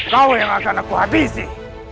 kau yang akan aku habisi